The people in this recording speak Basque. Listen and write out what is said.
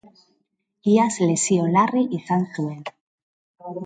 Iaz lesio larri izan zuen.